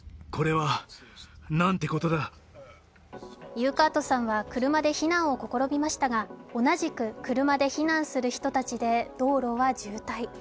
ユーカートさんは車で避難を試みましたが、同じく車で避難する人たちで道路は渋滞。